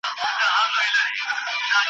دا ترخه دارو د پند و تاته وایې